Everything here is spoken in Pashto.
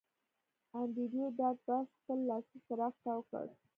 انډریو ډاټ باس خپل لاسي څراغ تاو کړ